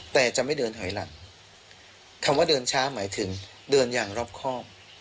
แต่จะไม่เดินถอยหลังคำว่าเดินช้าหมายถึงเดินอย่างรอบครอบ